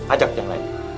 ajak yang lain